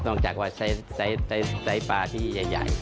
จากว่าไซส์ปลาที่ใหญ่